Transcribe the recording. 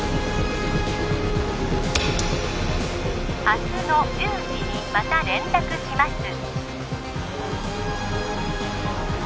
明日の１０時にまた連絡します